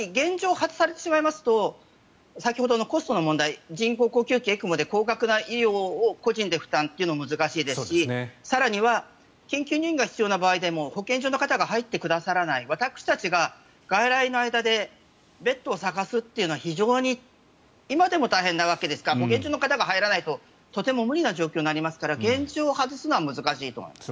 外されると先ほどのコストの問題人工呼吸器、ＥＣＭＯで高額な医療を個人で負担というのも難しいですし更には緊急入院が必要な場合でも保健所の方が入ってくださらない私たちが外来の間でベッドを探すというのは非常に今でも大変なわけですから保健所の方が入らないととても無理な状況になりますから現状外すのは難しいと思います。